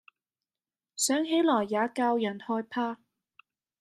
想起來也教人害怕。